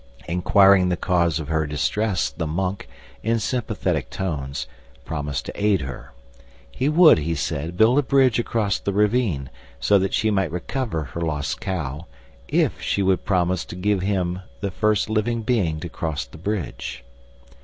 Enquiring the cause of her distress, the monk, in sympathetic tones, promised to aid her. He would, he said, build a bridge across the ravine, so that she might recover her lost cow, if she would promise to give him the first living being to cross the bridge.